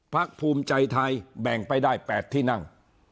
ภูมิใจไทยแบ่งไปได้๘ที่นั่ง